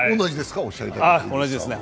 同じですね。